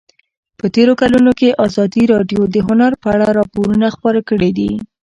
په تېرو کلونو کې ازادي راډیو د هنر په اړه راپورونه خپاره کړي دي.